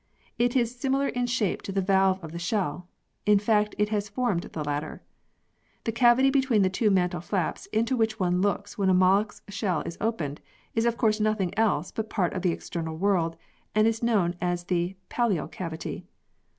It is similar in shape to the valve of the shell; in fact it has formed the latter. The cavity between the two mantle flaps into which one looks when a mollusc's shell is opened, is of course nothing else but part of the external world, and is known as the pallial cavity.